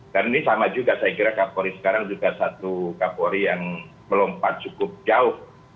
dan ini sama juga saya kira kapolri sekarang juga satu kapolri yang melompat cukup jauh